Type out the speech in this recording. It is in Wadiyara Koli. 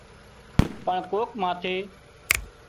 پڻ ڪوڪ ماٿي